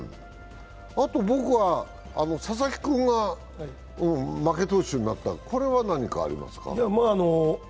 あと、佐々木君が負け投手になった、これは何かありますか？